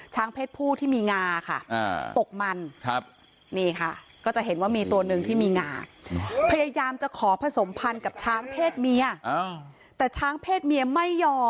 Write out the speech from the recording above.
ไม่ยอมก็เลยสู้กันแบบนี้เห็นมั้ยคะคือพังอ่ะตรงนั้นน่ะ